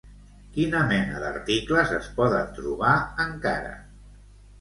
Quina mena d'articles es poden trobar, encara?